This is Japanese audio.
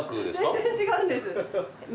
全然違うんです。